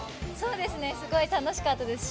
すごい楽しかったです。